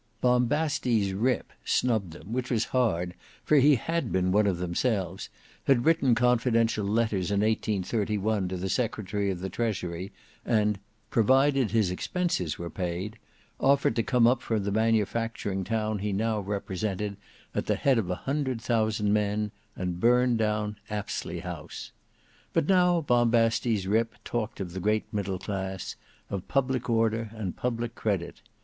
BOMBASTES RIP snubbed them, which was hard, for he had been one of themselves, had written confidential letters in 1831 to the secretary of the Treasury, and "provided his expenses were paid," offered to come up from the manufacturing town he now represented, at the head of a hundred thousand men, and burn down Apsley House. But now Bombastes Rip talked of the great middle class; of public order and public credit.